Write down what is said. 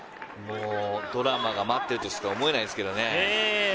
ドラマが待ってるとしか思えないですけどね。